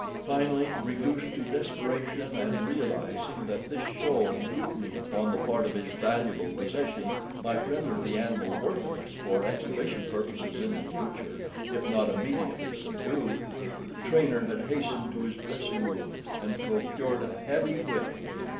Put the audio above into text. Finally, reduced to desperation and realizing that this show of mutiny upon the part of his valuable possession might render the animal worthless for exhibition purposes in the future if not immediately subdued, the trainer had hastened to his dressing room and procured a heavy whip.